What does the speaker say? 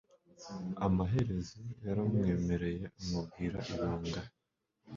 Amaherezo, yaramwemereye amubwira ibanga.